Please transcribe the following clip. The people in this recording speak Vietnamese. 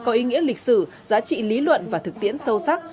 có ý nghĩa lịch sử giá trị lý luận và thực tiễn sâu sắc